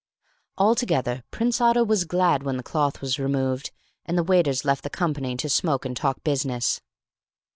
Altogether Prince Otto was glad when the cloth was removed, and the waiters left the company to smoke and talk business.